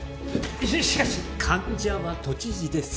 しかし患者は都知事です。